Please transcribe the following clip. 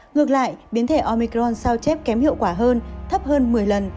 ngược lại biến thể omicron sao chép kém hiệu quả hơn thấp hơn một mươi lần